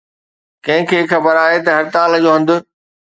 ڪنهن کي خبر آهي ته هڙتال جو هنڌ